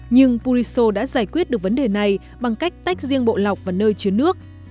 nhưng puriso đã giải quyết được vấn đề này bằng cách tách riêng bộ lọc và nơi chứa nước